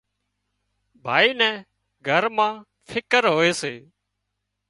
ڀائي نين گھر مان فڪر هوئي سي